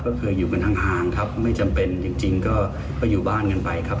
ก็คืออยู่กันห่างครับไม่จำเป็นจริงก็อยู่บ้านกันไปครับ